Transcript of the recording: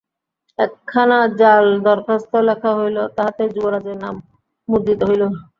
একখানা জাল দরখাস্ত লেখা হইল, তাহাতে যুবরাজের নাম মুদ্রিত রহিল।